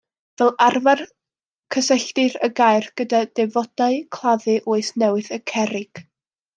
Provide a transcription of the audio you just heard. Fel arfer cysylltir y gair gyda defodau claddu Oes Newydd y Cerrig.